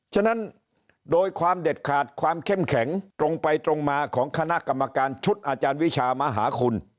ฉะนั้นโดยความเด็ดขาดความเข้มแข็งตรงไปตรงมาของคณะกรรมการชุดอาจารย์วิชามหาคุณ